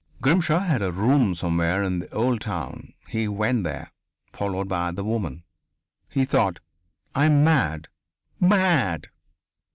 Grimshaw had a room somewhere in the Old Town; he went there, followed by the woman. He thought: "I am mad! Mad!"